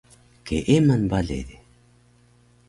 Keeman bale di